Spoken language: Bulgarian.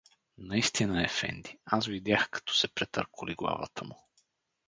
— Наистина, ефенди; аз видях, като се претърколи главата му.